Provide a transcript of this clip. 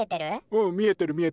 うん見えてる見えてる。